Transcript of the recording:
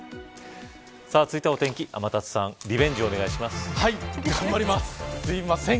続いては、お天気、天達さんリベンジ、お願いします。